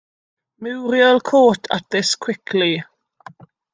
Muriel caught at this quickly.